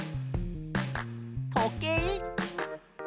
とけい。